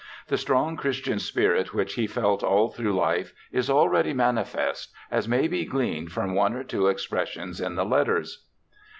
The strong Christian spirit which he felt all through life is already manifest, as may be gleaned from one or two expressions in the letters.